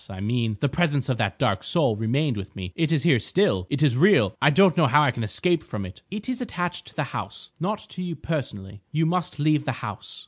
I mean, the presence of that Dark Soul remained with me. It is here still. It is real. I don't know how I can escape from it." "It is attached to the house, not to you personally. You must leave the house."